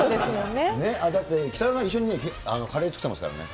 だって北澤さん、一緒にカレー作ってますからね。